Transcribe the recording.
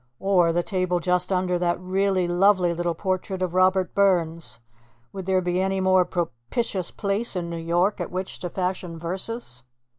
Or the table just under that really lovely little portrait of Robert Burns would there be any more propitious place in New York at which to fashion verses?